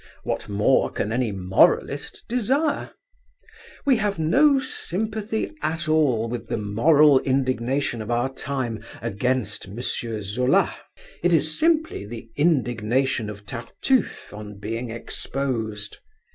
What more can any moralist desire? We have no sympathy at all with the moral indignation of our time against M. Zola. It is simply the indignation of Tartuffe on being exposed.